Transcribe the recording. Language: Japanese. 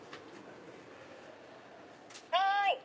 はい。